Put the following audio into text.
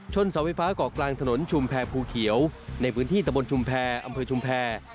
เสาไฟฟ้าเกาะกลางถนนชุมแพรภูเขียวในพื้นที่ตะบนชุมแพรอำเภอชุมแพร